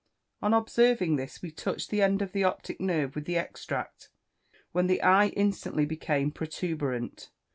On observing this, we touched the end of the optic nerve with the extract, when the eye instantly became protuberant.